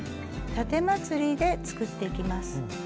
たてまつりで作っていきます。